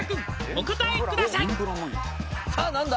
「お答えください」さあ何だ？